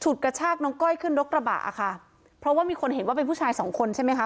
กระชากน้องก้อยขึ้นรถกระบะค่ะเพราะว่ามีคนเห็นว่าเป็นผู้ชายสองคนใช่ไหมคะ